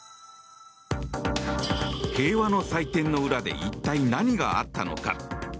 平和の祭典の裏で一体何があったのか。